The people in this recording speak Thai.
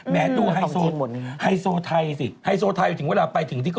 แม่สู้ไฮโซไทยสิไฮโซไทยถึงเวลาไป